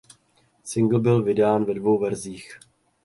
Singl byl vydán ve dvou verzích.